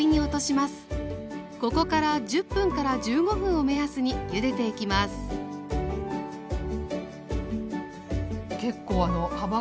ここから１０分から１５分を目安にゆでていきますそうですね